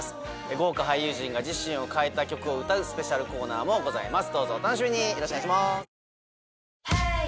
豪華俳優陣が自身を変えた曲を歌うスペシャルコーナーもございます。